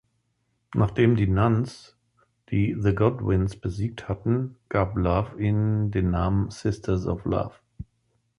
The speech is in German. Nachdem die Nuns die The Godwinns besiehgt hatten, gab Love ihnen den Namen „Sisters of Love“.